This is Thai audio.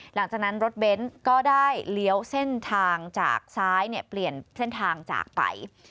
หลังจากนั้นรถเบนท์ก็ได้เลี้ยวเส้นทางจากซ้ายเปลี่ยนเส้นทางจากไป